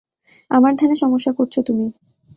আমার ধ্যানে সমস্যা করছো তুমি।